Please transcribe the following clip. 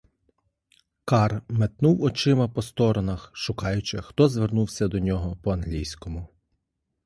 Кар метнув очима по сторонах, шукаючи — хто звернувся до нього по-англійському.